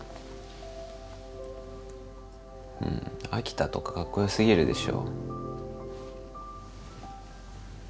うん飽きたとかかっこよすぎるでしょ。